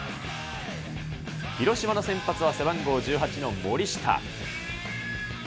広島の先発は、背番号１８の森下。